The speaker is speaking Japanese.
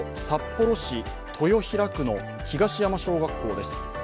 札幌市豊平区の東山小学校です